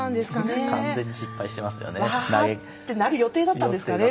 ワハハハってなる予定だったんですかね